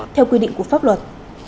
theo quy định của pháp luật